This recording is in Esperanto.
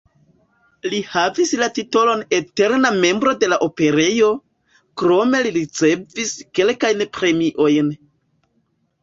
Li havis la titolon "eterna membro de la Operejo", krome li ricevis kelkajn premiojn.